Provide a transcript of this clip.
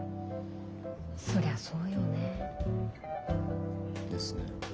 そりゃそうよね。ですね。